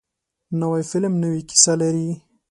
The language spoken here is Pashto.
نوی فلم نوې کیسه لري